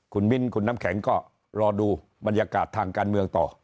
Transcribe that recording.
คุณมิ้นคุณน้ำแข็งก็รอดูบรรยากาศทางการเมืองต่อ